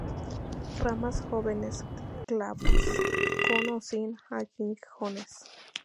Ramas jóvenes glabras, con o sin aguijones.